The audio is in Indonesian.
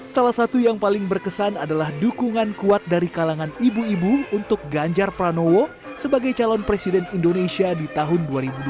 salah satu yang paling berkesan adalah dukungan kuat dari kalangan ibu ibu untuk ganjar pranowo sebagai calon presiden indonesia di tahun dua ribu dua puluh